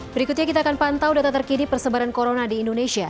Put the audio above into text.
berikutnya kita akan pantau data terkini persebaran corona di indonesia